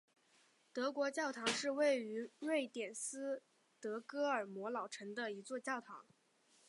德国教堂是位于瑞典斯德哥尔摩老城的一座教堂。